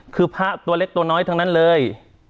คือพระตัวเล็กตัวน้อยทั้งนั้นเลย